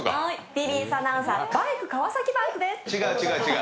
ＴＢＳアナウンサー、バイク川崎バイクです。